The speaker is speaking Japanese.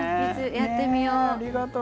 やってみよう。